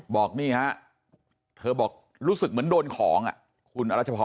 บอกนี่ฮะเธอบอกรู้สึกเหมือนโดนของคุณอรัชพร